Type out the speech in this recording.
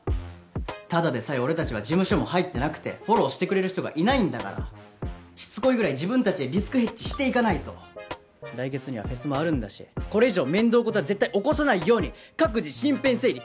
ただでさえ俺たちは事務所も入ってなくてフォローしてくれる人がいないんだからしつこいぐらい自分たちでリスクヘッジしていかないと来月にはフェスもあるんだしこれ以上面倒事は絶対起こさないように各自身辺整理